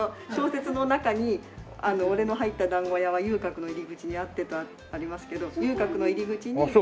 小説の中に「おれの這入った團子屋は遊廓の入口にあって」とありますけど遊郭の入り口に。